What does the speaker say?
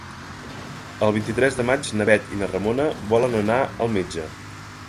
El vint-i-tres de maig na Bet i na Ramona volen anar al metge.